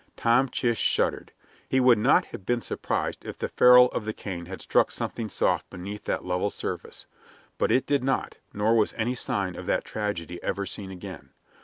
Tom Chist shuddered. He would not have been surprised if the ferrule of the cane had struck something soft beneath that level surface. But it did not, nor was any sign of that tragedy ever seen again.